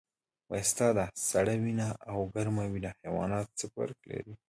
استاده سړه وینه او ګرمه وینه حیوانات څه فرق لري